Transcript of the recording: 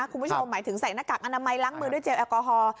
คุณผู้ชมหมายถึงใส่หน้ากากอนามัยล้างมือด้วยเจลแอลกอฮอล์